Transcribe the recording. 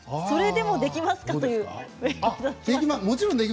それでもできますか？